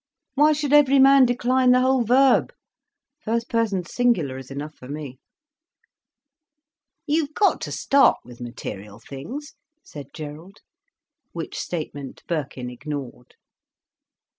Why should every man decline the whole verb. First person singular is enough for me." "You've got to start with material things," said Gerald. Which statement Birkin ignored.